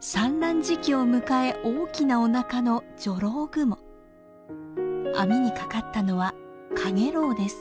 産卵時期を迎え大きなおなかの網に掛かったのはカゲロウです。